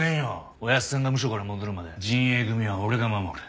おやっさんがムショから戻るまで仁英組は俺が守る。